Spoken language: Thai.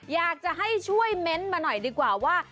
อยากจะให้ช่วยเม้นต์มาหน่อยดีกว่าว่า